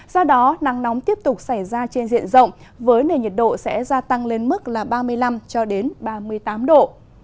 do đó nắng nóng tiếp tục xảy ra trên diện rộng với nền nhiệt độ sẽ gia tăng lên mức ba mươi năm ba mươi tám độ